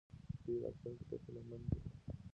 دوی راتلونکي ته هیله مند دي.